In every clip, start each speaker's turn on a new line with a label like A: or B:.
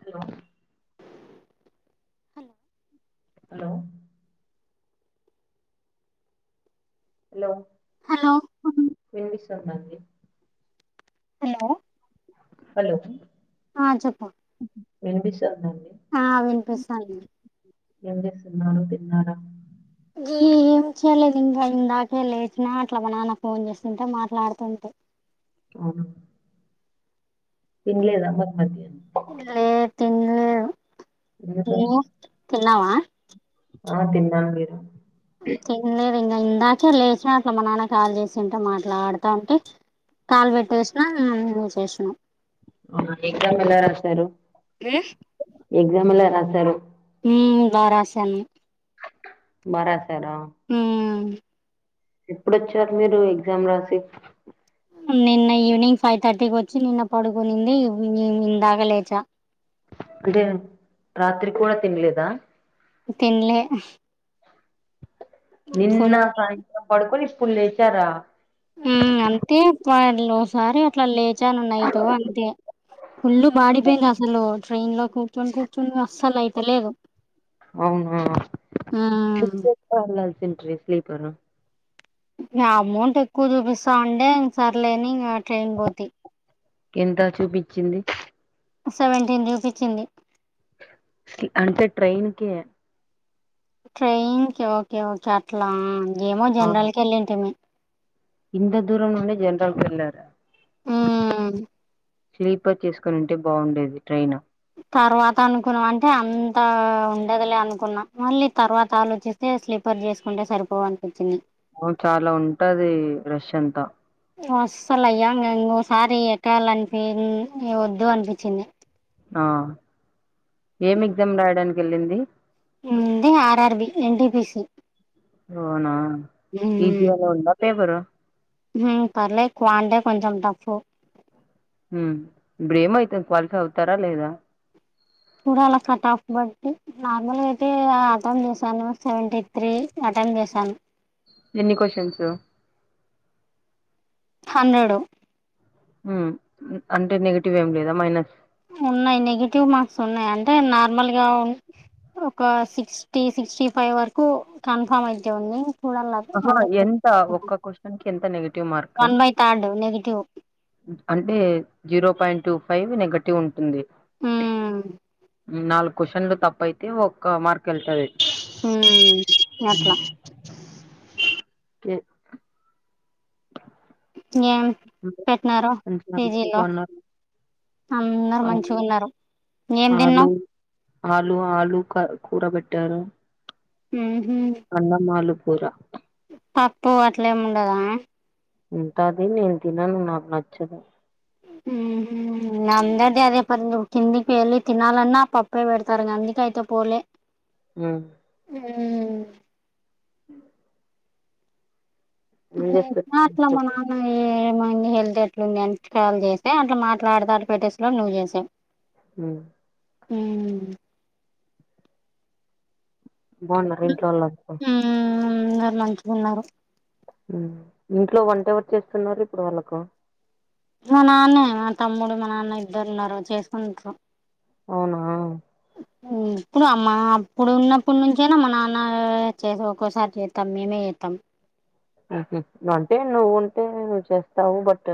A: Hello
B: hello
A: hello hello
B: hello
A: వింపిస్తుందడి
B: hello
A: hello
B: ఆ చెప్పు
A: వినిపిస్తుందండి
B: ఆ [unintelligible]
A: ఏం చేస్తున్నారు తిన్నారా
B: ఈ ఏం చేయలేదు ఇంకా ఇందాకే లేచినా అట్లా మా నాన్న ఫోన్ చేస్తుంటే మాట్లాడుతుంటే
A: అవునా తినలేదా మరి మధ్యాహ్నం
B: లే తినలేదు
A: ఎందుకు
B: నువ్వు తిన్నావా
A: ఆ తిన్నా మీరు
B: తినలేదు లేదు ఇంకా ఇందాకే లేచ అట్ల మా నాన్న కాల్ చేసింటే మాట్లాడుతా ఉంటి కాలు పెట్టేసిన నువ్వు చేసినవ్
A: అవునండి ఎగ్జామ్ ఎలా రాశారు ఎగ్జామ్ ఎలా రాశారు
B: హ్మ్ బారాసను
A: బారాసారా
B: మ్మ్
A: ఎప్పుడొచ్చారు మీరు ఎగ్జామ్ రాసి
B: నిన్న ఈవినింగ్ ఫైవ్ థర్టీకి వచ్చి నిన్న పడుకునింది ఇ ఇందాకా లేచా
A: అంటే రాత్రి కూడా తినలేదా
B: తిన్లే
A: నిన్న సాయంత్రం పడుకొని ఇప్పుడు లేచ్చారా
B: హ్మ్ అంతే [unintelligible] ఓసారి అట్లా లేచాను నైట్ అంతే ఫుల్ బాడిపెయిన్స్ అసలు ట్రైన్ లో కూర్చుని కూర్చుని అస్సలు అయితలేదు
A: అవునా బుక్ చేసుకొని వెలసింది స్లీపరు
B: ఇగ అమౌంట్ ఎక్కువ చూపిస్తా ఉంటే ఇం సరలేని ఇంకా ట్రైన్ బోతి
A: ఎంత చూపించింది
B: సెవెంటీన్ చూపించింది
A: ఇంకటే ట్రైన్కి
B: ట్రైన్ కి ఓకే ఓకే అట్లా ఆ ఏమో జనరల్ కి వెళ్ళింటిమీ
A: ఇ దూరం ఉండే జనరాలు వెళ్లార
B: ఆ
A: స్లీపర్ చేసుకునింటే బాగుండేది ట్రైన్
B: తర్వాత అనుకున్నాం అంటే అంత ఉండదులే అనుకున్నాం మళ్ళీ తర్వాత ఆలోచిస్తే స్లీపర్ చేసుకుంటే సరిపోవనిపించింది
A: అవును చాలా ఉంటది రష్ అంతా
B: అసాలయ అ సారి ఎక్కాల అనిపి వద్దు అనిపించింది
A: ఆ ఏం ఎగ్జామ్ రాయడానికి వెళ్ళింది
B: ముంది ఆర్ఆర్బి ఎన్టిపిసి
A: అవునా ఈజి అలో ఉన్నా పే బరు
B: పర్లే క్వాంటే కొంచెం టఫ్
A: హ ఇ్రేమ అవుతుంది క్వాలిఫై అవుతారా లేదా
B: చ అలా కట్ ఆఫ్ బట్టి నార్మల్గా అయితే ఆటం చేశాను సెవెంటీ త్రీ టం వేేశాన్
A: ఎన్ని క్వశ్చన్స్
B: హండ్రెడు
A: అంటే నెగటివ్ ఏం లేదా మైనస్
B: ఉన్నాయి్ నెగిటివ్ మార్క్స్ ఉన్నాయి అంటే నార్మల్ గా ఉ ఒక సిక్స్టీ సిక్స్టీ ఫైవ్ వరకు కన్ఫామ్ అయితే ఉంది చూడాల
A: ఆ
B: అంటే
A: ఎంత ఒక్క క్వశ్చన్ కి ఎంత negative mark
B: one by third negative
A: అంటే zero point two five negative ఉంటుంది
B: ఆ
A: నాలుగు క్వ్చన్లు తప్పు అయితే ఒక్క మార్క్ వెళ్తుంది
B: ఉ అట్లా
A: క [inaudible]
B: ఏం పెట్టినారో
A: మంచిగా అందరూ
B: పిజీలో
A: బాగున్నారు
B: అందరు
A: ఆ
B: మంచిగా ఉన్నారు ఏం తిన్నా
A: ఆలు ఆలు ఆలు కూరబెట్టారు
B: ఆ హ
A: కురా
B: పప్పు అట్లేమి ఉండదా
A: ఉంట అది నేను తిినను నాకు నచ్చదు
B: ఉ అందరిది అదే ప కిందికి వెళ్ళి తినాలన్నా పప్పే పెడతారు గందికి అయితే పోలే
A: ఆ
B: హూ
A: అ
B: అే
A: చేస్తున్నారు
B: చట్ల
A: ఇంట్లో?
B: మా నాన్న హళ్తేట్లుంది ఎంతలు చేస్తే అట్లా మాట్లాడితే అ పెట్టేసలో నువ్వు చేసావు
A: హ
B: హ
A: బాగున్నారు ఇంట్లో వాళ్ళ
B: అందారు మంచుకున్నారు
A: ఇంట్లో వంట ఎవర్ చేస్తున్నారు ఇప్పుడు వాళ్ళకు
B: మా నాన్న మా తమ్ముడు మా నాన్న ఇద్దరు ఉన్నారు చేసుకుంటారు
A: అవునా
B: ఉ ఇప్పుడు అమ్మా అప్పుడు ఉన్నప్పుడు నుంచేనా మా నాన్న చేసి ఒక్కసారి చేస్తాం మేమే చెత్తం
A: ఉహు అంటే నువ్వు ఉంటే నువ్వు చేస్తావు బట్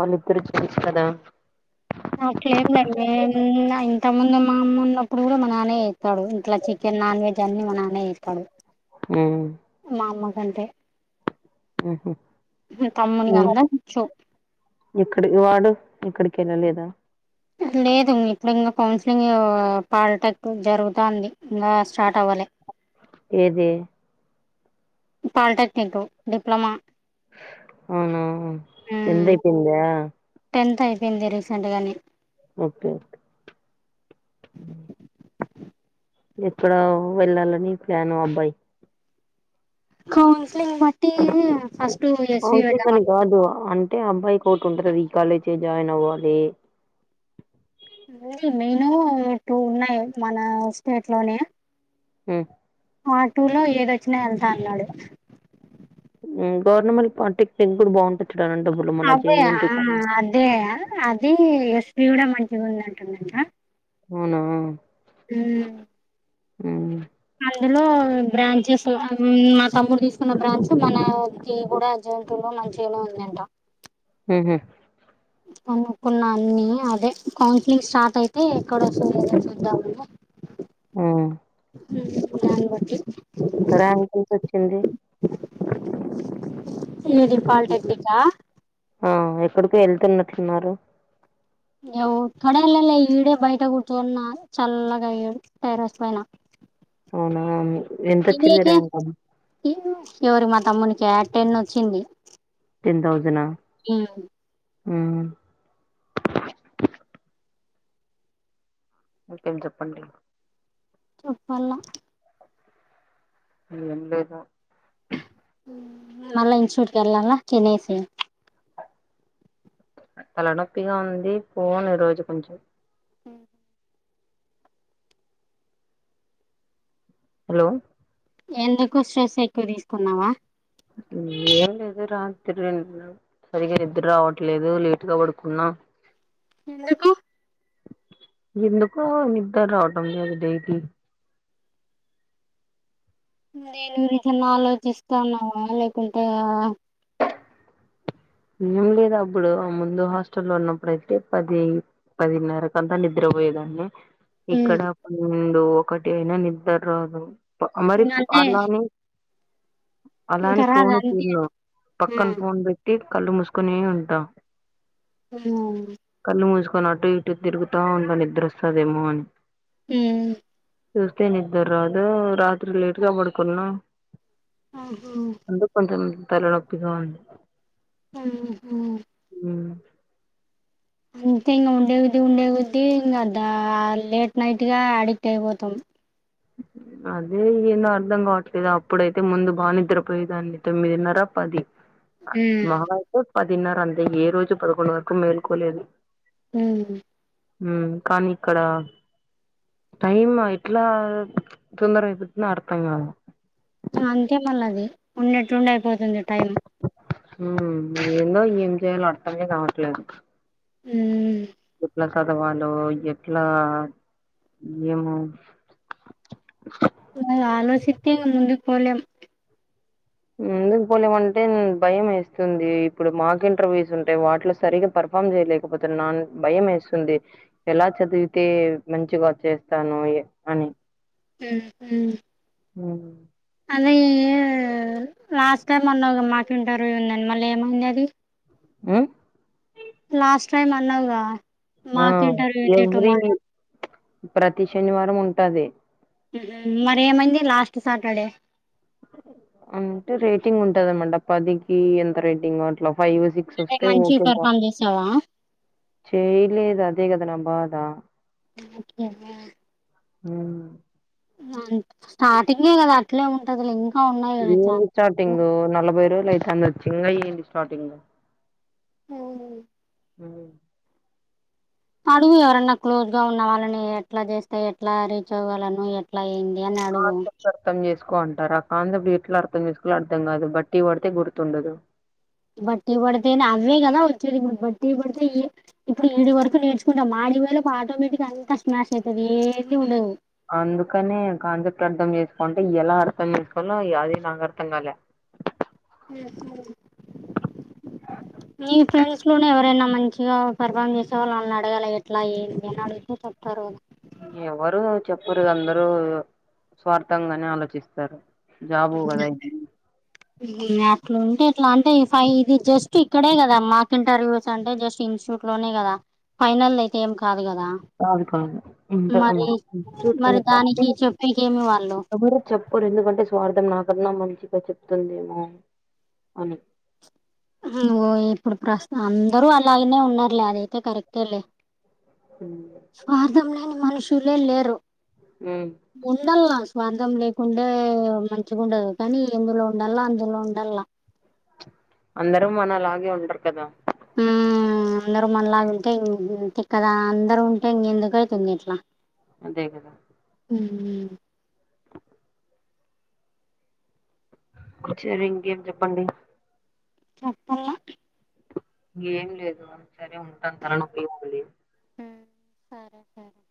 A: వాళ్ళిద్దరు జెంట్స్ కదా
B: అట్లే ఏమి లే మేము ఉన్నా ఇంత ముందు మా ఉన్నప్పుడు కూడా మా నాన్నే చెత్తాడు ఇంట్లో చికెన్ నాన్ వెజ్ అన్ని మా నాన్నే చెత్తాడు
A: ఉమ్
B: మా అమ్మకంటే
A: ఉహు
B: అందరికి వచ్చు
A: ఇక్కడ వాడు ఏక్కడికి వెళ్ళలేదా
B: లేదు ఉన్ని ఇప్పుడు ఇంకా కౌన్సిలింగ్ పాలిటెక్ జరుగుతాంది ఇంకా స్టార్ట్ అవ్వాలే
A: ఏది
B: పాలిటెక్నిక్ డిప్లమా
A: అవునా టెన్త్ అయిపోయిందా
B: టెన్త్ అయిపోయింది రీసెంట్గానే
A: ఓకే ఓకే ఉ ఎక్కడ వెళ్ళాలని ప్లాను అబ్బాయి
B: కౌన్స్లింగ్ బట్టి ఫస్ట్ ఎస్వి
A: కౌన్సిలింగ్
B: పెట్టామను
A: అని కాదు అంటే అబ్బాయి ఒకటి ఉంటది ఆది కాలేజీ జాయిన్ అవ్వాలి
B: లేదు నేను టూ ఉన్నాయి మన స్టేట్ లోనే
A: ఉ
B: ఆ టూ లో ఏదొచ్చినా వెళ్తా అన్నాడు
A: ఊ గవర్నమెంట్ పాలిటిక్స్ కూడా బాగుంటది చూడాలంటే ఇప్పుడు మన
B: అదే ఆ
A: జేఎన్‌టియు కాలేజ్
B: అదే ఆ అదే ఎస్ పీజు కూడా మంచిగా ఉంది అంటుందట
A: అవునా
B: ఉ
A: ఊ
B: అందులో బ్రాంచెస్ ఉమ్ మా తమ్ముడు తీసుకున్న బ్రాంచ్ మనది కూడా ఎంత ఉన్నా మంచిగానే ఉంది అంట
A: ఉహు
B: కనుకున్నా అన్ని అదే కౌన్సిలింగ్ స్టార్ట్ అయితే ఎక్కడ వస్తుందో చూద్దామని
A: ఆ
B: ఉ దాన్ని బట్టి
A: ర్యాంక్ ఎంత వచ్చింది
B: ఏది పాల్టెక్నిక్ ఆ
A: ఆ ఎక్కడికో వెళ్తున్నట్లు ఉన్నారు
B: ఎక్కడ ఏళ్లలే ఈడే బయట కూర్చోన్న చల్లగా ఈ టెర్రస్ పైన
A: అవునా ఎంత వచ్చింది ర్యాంక్
B: ఎవరూ మా తమ్మునికి యా టెన్ వచ్చింది
A: టెన్ తౌషండ్ ఆ
B: ఉ
A: ఉమ్ అకేం చెప్పండి
B: చెప్పాల
A: ఏం లేదు వు
B: మళ ఇన్స్షూట్ కలాన్నా చెన్నైస్
A: తలనొప్పిగా ఉంది పోను ఈ రోజు కొంచెం
B: హ
A: హలో
B: ఎందుకు స్ట్రెస్ ఎక్కువ తీసుకున్నావా
A: అ ఏం లేదు రాత్రి సరిగా నిద్ర రావట్లేదు లేటుగా పడుకున్నా [inaudible]
B: ఎందుకు
A: ఎందుకు నిద్ర రావట లేదు డైలీ
B: దేనిగురించి ఆలోచిస్తా ఉన్నావా లేకుంటే
A: ఏం లేద అబ్బుడు ముందు హాస్టెల్ వన్నప్పుడు పది పదినారకు అంతా నీద్ర వేగంగా ఇక్కడ పండు ఒకటి అయినా నిద్ర రాదు మరి
B: అంటే
A: అలాని
B: ఇంకా
A: అలాని
B: రాదు
A: ఫోన్
B: అంతే
A: చూడను పక్కన ఫోన్ పెట్టుకోని కళ్లు ముస్కునే ఉంటా
B: ఆ
A: కళ్ళు మూసుకొని అటు ఇటు తిరుగుతా ఉంటాను నిద్ర వస్తదేమో అని
B: ఉహ్
A: ఊరికే నిద్ర రాదు రాత్రి లేటుగా పడుకోనా అందుకు కొంచెం తల్లనొప్పిగా ఉంది
B: ఆహా
A: ఉ
B: అంతే ఇంకా ఉండేవిది ఉండే విది ఇంకా ద లేట్ నైట్ గా అడిక్ట్ అయిపోతాం
A: అ అదే ఏందో అర్ధం కావట్లేదు అప్పుడైతే ముందు బాగా నిద్రపోయేదాన్ని తొమ్మిదిన్నర పది మావారు అయితే పదిన్నర అంతే ఏ రోజు పదకొండు వరకు మేలుకోలేదు
B: ఉమ్
A: ఉ కానీ ఇక్కడ టైమ్ ఎట్లా తొందరగా అయిపోతాయి అర్థంకాదు
B: అంతే మళ్ళ అది ఉన్నేట్లుండి అయిపోతుంది టైం
A: మ్ ఎందో ఈఎం చేయాలో అర్థమే కావట్లేదు
B: ఉమ్మ్
A: ఎట్లా చదవాలో ఎట్లా ఏమో
B: ఆలోచిస్తే ముందుకు పోలేం
A: ముందుకు పోలేమంటే భయం వేస్తుంది ఇప్పుడు మాకు ఇంటర్వ్యూస్ ఉంటాయి వాటిలో సరిగా ప ఇన్ఫార్మ్ చేయలేకపోతే నా భయం వేస్తుంది ఎలా చదివితే మంచిగా వచ్చస్తాను ఎ అని
B: మ్ మ్
A: మ్మ్
B: అది లాస్ట్ టైం అన్నవ్ గా మాకు ఇంటర్వ్యూ ఉందనీ, మళ్ళీ ఏమైంది అది.
A: ఉమ్
B: లాస్ట్ టైమ్ అన్నావ్ గా
A: ఆ ఎవ్రీ వీ, ప్రతి శనివారం ఉంటాది.
B: ఉహుమ్ మరి ఏమైంది లాస్ట్ సాటర్డే.
A: అంటే రేటింగ్ ఉంటదన్నమాట, పదికి ఎంత రేటింగ్ అట్లా ఫైవ్, సిక్స్
B: అంటే
A: ఓస్తే
B: మంచి
A: ఓకే ఇంకా
B: పెర్ఫామ్ చేసావా
A: చేయ్ లేదు, అదే కదా నా బాధ.
B: ఆ ఒకే [unintelligible]
A: హుమ్మ్
B: స్టార్టింగే కదా అట్లే ఉంటుందిలే లింగ్
A: ఏంది చాటింగ్ నలభై రోజులు అయితాంది వచ్చి, ఇంగా ఏంది స్టార్టింగ్.
B: ఉహుమ్
A: హుమ్మ్
B: అడుగు ఎవరన్నా క్లోజ్ గా ఉన్న వాళ్ళని, ఎట్లా జేస్తే ఎట్లా రీచ్ అవ్వలని, ఎట్లా ఏం అని అడుగు
A: కోంటారాక్క అందరు [unintelligible] ఎట్లా అర్థం చేసుకోవాలో అర్థం కాదు, బట్టి కోడితే గుర్తుండదు.
B: బట్టి పడితేనే అవ్వే కదా వచ్చేది ఇప్పుడు, బట్టి కోడితే ఏ ఇప్పుడు ఇడివరకే వరకు నేర్చుకున్న మా నీ వల్ల [unintelligible] ఆటోమేటిక్ అంత స్మాష్ అయితాది ఏవి ఉండదు.
A: అందుకనే కాన్సెప్ట్ అర్థం చేసుకుంటే, ఎలా అర్థం చేసుకోవాలో అది నాకు అర్థం కాలే.
B: గెస్ హు మీ ఫ్రెండ్స్ లోనే ఎవరన్న మంచిగా, పర్ఫామ్ చేసేవాళ్ళుని అడగాలే ఎట్లా ఏందీ అని అడిగితే తప్ తారునే
A: ఎవరు చెప్పరు, అందరు స్వార్థంగానే ఆలోచిస్తారు. జాబు గదై
B: అట్లుంటే ఇట్లా అంటే ఈ ఫైవ్ ఇది జస్ట్ ఇక్కడే కదా, మాక్ ఇంటర్వ్యూస్ అంటే జస్ట్ ఇన్స్ ఇంట్లోనే కదా, ఫైనల్ అయితే ఏం కాదు కదా.
A: కాదు కాదు ఇంట్ల మా
B: మరి మరి దానికి చెప్పేకేమి వాళ్ళు
A: [unintelligible] చెప్ప [unintelligible] ఎందుకంటే స్వార్థం, నాకన్నా మంచిగా చెప్తుందేమో అని, అని
B: ఓ ఇప్పుడు ప్రస్త్ అందరూ అలాగనే ఉన్నారులే, అదైతే కరెక్టే లే.
A: ఉమ్.
B: స్వార్థం లేని మనుషులే లేరు. ఉండల్నా స్వార్థం లేకుండ మంచిగుండదు, కానీ ఎందులో ఉండాల్నో అందులో ఉండాల్నా.
A: అందరు మనలాగే ఉండర్ కదా.
B: ఉమ్ అందరు మనలాగుంటే ఇన్ ఇంతే కదా, అందరు ఉంటే ఇంగ ఎందుకు అయితుంది ఇట్లా.
A: అదే గదా
B: ఉమ్మ్
A: కూర్చోరి ఇంకేం చెప్పండి.
B: చెప్పాల
A: ఏం లేదు గని, సరే ఉంటాను తలనొప్పిగా ఉంది.
B: ఉమ్ సరే సరే.